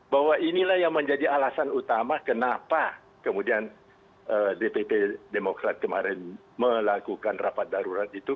bahwa inilah yang menjadi alasan utama kenapa kemudian dpp demokrat kemarin melakukan rapat darurat itu